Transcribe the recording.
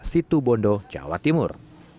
situ bondo jawa timur